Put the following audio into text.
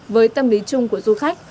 với tâm lý chung của du khách